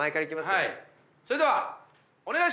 それではお願いします！